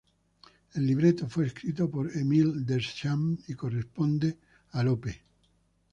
El libreto fue escrito por Émile Deschamps y corresponde al Op.